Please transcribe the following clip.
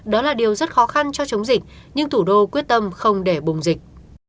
đó là điều rất khó khăn cho chống dịch nhưng thủ đô quyết tâm không để bùng dịch